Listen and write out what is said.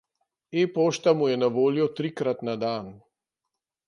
E-pošta mu je na voljo trikrat na dan.